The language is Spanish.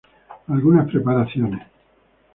Algunas preparaciones